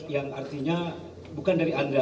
yang artinya bukan dari anda